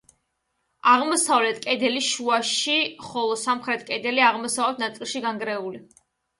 აღმოსავლეთ კედელი შუაში ხოლო სამხრეთით კედელი აღმოსავლეთ ნაწილში განგრეულია.